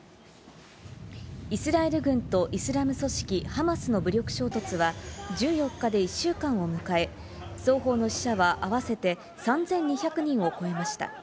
イスラエル軍とイスラム組織ハマスの武力衝突は１４日で１週間を迎え、双方の死者は合わせて３２００人を超えました。